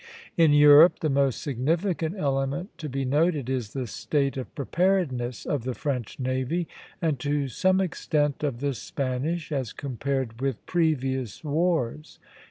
In Europe the most significant element to be noted is the state of preparedness of the French navy, and to some extent of the Spanish, as compared with previous wars.